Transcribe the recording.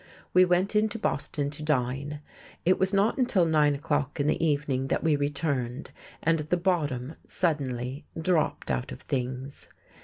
We went into Boston to dine.... It was not until nine o'clock in the evening that we returned and the bottom suddenly dropped out of things.